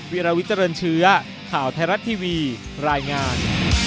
วิราวิเจริญเชื้อข่าวไทยรัฐทีวีรายงาน